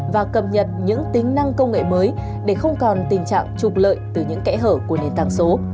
và cập nhật những tính năng công nghệ mới để không còn tình trạng trục lợi từ những kẽ hở của nền tảng số